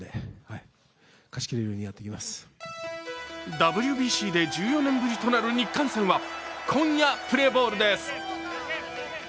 ＷＢＣで１４年ぶりとなる日韓戦は今夜プレーボールです。